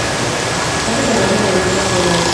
Hace calor la mayor parte del año.